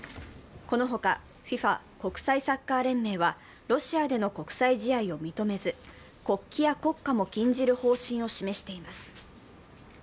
このほかＦＩＦＡ＝国際サッカー連盟はロシアでの国際試合を認めず国旗や国歌も禁じる方針を示しています。